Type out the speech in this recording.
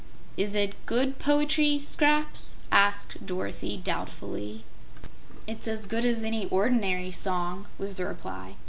"Is it good poetry, Scraps?" asked Dorothy, doubtfully. "It's as good as any ordinary song," was the reply.